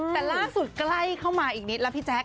แต่ล่าสุดใกล้เข้ามาอีกนิดแล้วพี่แจ๊ค